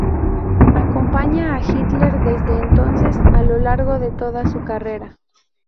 Acompaña a Hitler desde entonces a lo largo de toda su carrera.